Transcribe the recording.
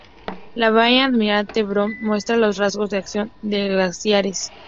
La bahía Almirante Brown muestra los rasgos de la acción de los glaciares.